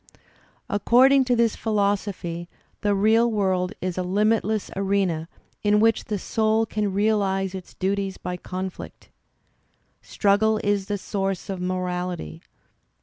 According to this philosophy the real world is a limitless ] arena in which the soul can realize its duties by conflict. Struggle is the source of morality.